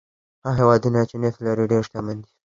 هغه هېوادونه چې نفت لري ډېر شتمن دي.